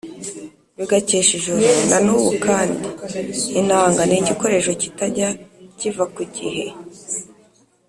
Bigakesha ijoro, na n’ubu kandi, inanga ni igikoresho kitajya kiva ku gihe